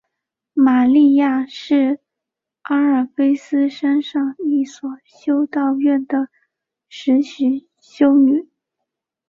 玛莉亚是阿尔卑斯山上一所修道院的实习修女。